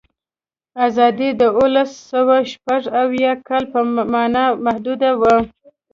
آزادي د اوولسسوهشپږاویا کال په معنا محدوده وه.